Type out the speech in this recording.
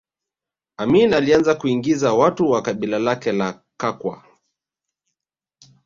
Amin alianza kuingiza watu wa kabila lake la Kakwa